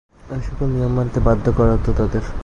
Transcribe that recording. এসকল নিয়ম মানতে বাধ্য করা হত তাদের।